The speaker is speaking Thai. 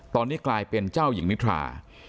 ตอนนี้กลายเป็นเจ้าหญิงนิทรา